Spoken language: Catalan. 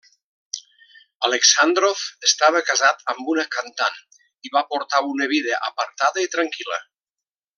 Aleksàndrov estava casat amb una cantant i va portar una vida apartada i tranquil·la.